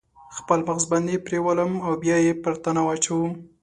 خپل مغز باندې پریولم او بیا یې پر تناو اچوم